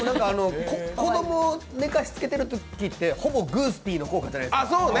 子供を寝かしつけてるときって、ほぼグースピーの効果じゃないですか。